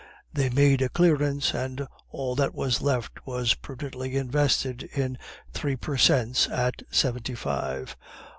They made a clearance, and all that was left was prudently invested in the three per cents at seventy five.